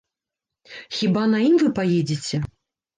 Хіба на ім вы паедзеце?